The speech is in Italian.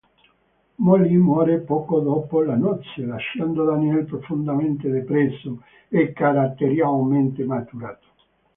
Molly muore poco dopo le nozze, lasciando Daniel profondamente depresso e caratterialmente maturato.